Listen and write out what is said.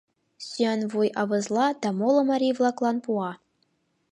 Сӱанвуй авызла да моло марий-влаклан пуа.